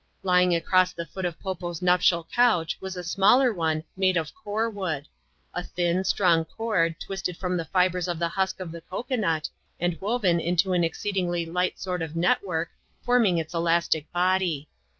Lying across the foot of Po Fo's nuptial couch was a smalls one, made of Eoar wood ; a thin, strong cord, twisted from the fibres of the husk of the cocoa nut, and woven into an exceed •ingly light sort of net work, forming its elastic body.